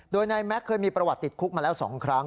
โดยนายแม็กซเคยมีประวัติติดคุกมาแล้ว๒ครั้ง